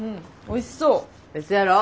おいしそうやろ？